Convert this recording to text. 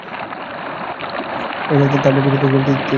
তাঁহার বক্ষ স্ফীত হইয়া উঠিল, তিনি কহিলেন, হবে না?